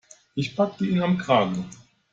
Ich packte ihn am Kragen.